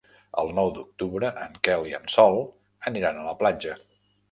El nou d'octubre en Quel i en Sol aniran a la platja.